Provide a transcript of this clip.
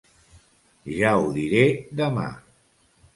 Ja ho diré demà.